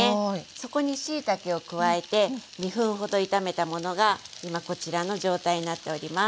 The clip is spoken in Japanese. そこにしいたけを加えて２分ほど炒めたものが今こちらの状態になっております。